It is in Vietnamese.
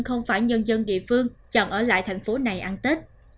không phải nhân dân địa phương chọn ở lại thành phố này ăn tết